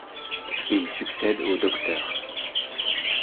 Il succède au Dr.